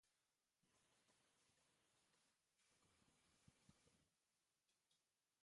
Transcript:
Nu-metal musikaren modak sekulako oihartzuna izan zuen.